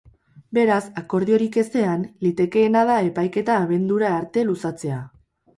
Beraz, akordiorik ezean, litekeena da epaiketa abendura arte luzatzea.